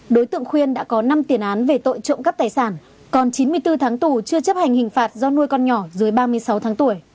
đối tượng khuyên đã có năm tiền án về tội trộm cắp tài sản còn chín mươi bốn tháng tù chưa chấp hành hình phạt do nuôi con nhỏ dưới ba mươi sáu tháng tuổi